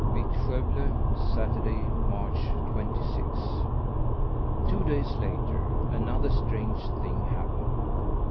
VITTSKÖVLE Saturday, March twenty sixth. Two days later, another strange thing happened.